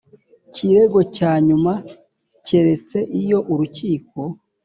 Kirego cya nyuma keretse iyo urukiko